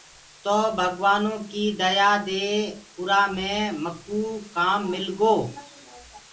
تو ڀگوآنو ڪيٚ ديا دي اُرا مي مڪوٚ ڪام مِل گو۔